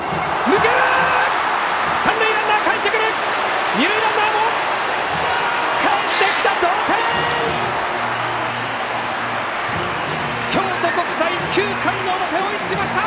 二塁ランナーもかえってきた！